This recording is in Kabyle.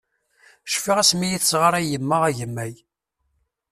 Cfiɣ asmi i yi-tesɣaṛay yemma agemmay.